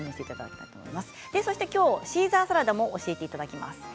そしてシーザーサラダも教えていただきます。